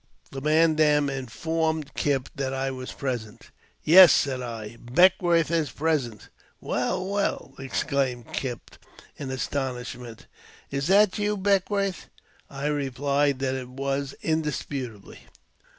The Mandan informed Kipp that I was present. " Yes," said I, " Beckwourth is present." " Well, well !" exclaimed Kipp, in astonishment ;'' is that you, Beckwourth? " I rephed that it was, indisputably.